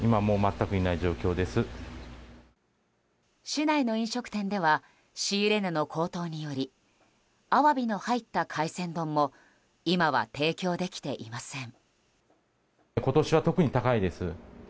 市内の飲食店では仕入れ値の高騰によりアワビの入った海鮮丼も今は提供できていません。